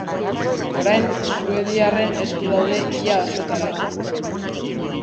Orain, suediarren esku daude ia osotara.